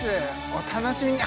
お楽しみに！